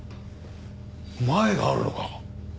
マエがあるのか。